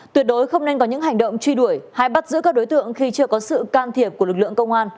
tuyệt đối không nên có những hành động truy đuổi hay bắt giữ các đối tượng khi chưa có sự can thiệp của lực lượng công an